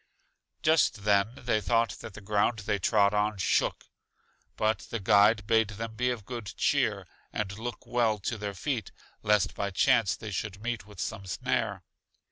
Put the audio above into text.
Just then they thought that the ground they trod on shook. But the guide bade them be of good cheer, and look well to their feet, lest by chance they should meet with some snare.